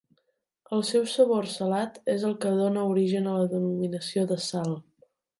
El seu sabor salat és el que dóna origen a la denominació de 'sal'.